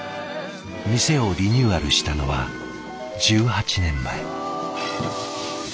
店をリニューアルしたのは１８年前。